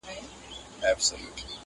نن به هرڅه چا لرل سبا به خوار وو،